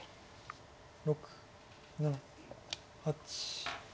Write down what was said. ６７８。